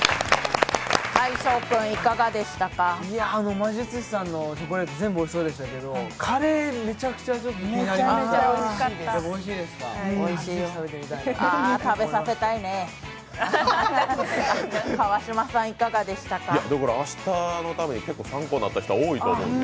魔術師さんのチョコレート全部おいしそうですけどカレーめちゃくちゃ気になります。